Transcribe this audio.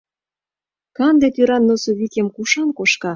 Канде тӱран носовикем кушан кошка?